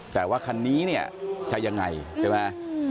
แต่ว่าคันนี้เนี่ยจะยังไงใช่ไหม